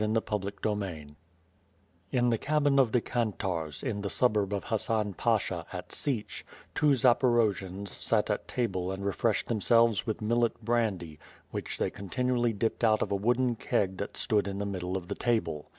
CHAPTEE XL In the cabin of the Kantarz^ in the suburb of Hassan Pasha at Sich, two Zaporojians sat at table and refreshed themselves with millet brandy which they continuously dipped out of a wooden keg that stood in the middle of the table.